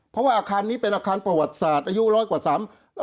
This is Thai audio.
เพราะว่าอาคารนี้เป็นอาคารประวัติศาสตร์อายุร้อยกว่าสาม